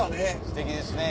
すてきですね